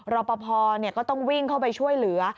รับประพอเนี่ยก็ต้องวิ่งเข้าไปช่วยเหลือ